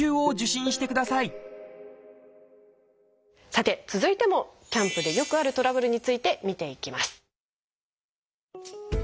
さて続いてもキャンプでよくあるトラブルについて見ていきます。